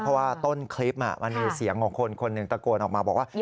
เพราะว่าต้นคลิปมันมีเสียงของคนคนหนึ่งตะโกนออกมาบอกว่า